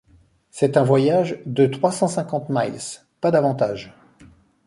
C’est un voyage de trois cent cinquante milles, pas davantage !